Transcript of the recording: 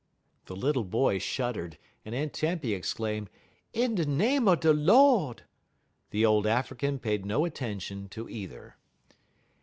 The little boy shuddered, and Aunt Tempy exclaimed, "In de name er de Lord!" The old African paid no attention to either.